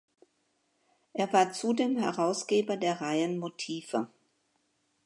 Er war zudem Herausgeber der Reihen "Motive.